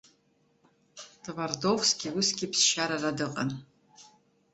Твардовски усгьы ԥсшьара ара дыҟан.